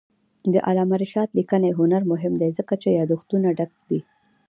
د علامه رشاد لیکنی هنر مهم دی ځکه چې یادښتونه ډک دي.